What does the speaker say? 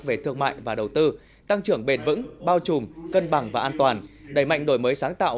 về thương mại và đầu tư tăng trưởng bền vững bao trùm cân bằng và an toàn đẩy mạnh đổi mới sáng tạo